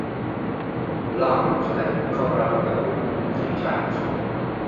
Lamm was elected Colorado governor three times.